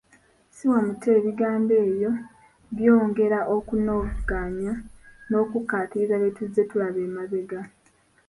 Siwa muto Ebigambo ebyo byongera okunogaanya n’okukkaatiriza bye tuzze tulaba emabega.